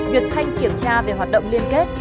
việc thanh kiểm tra về hoạt động liên kết